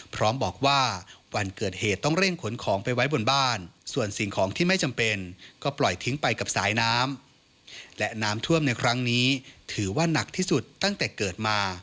พร้อมบอกว่าวันเกิดเหตุต้องเร่งขนของไปไว้บนบ้านส่วนสิ่งของที่ไม่จำเป็นก็ปล่อยทิ้งไปกับสายน้ำและน้ำท่วมในครั้งนี้ถือว่าหนักที่สุดตั้งแต่เกิดมา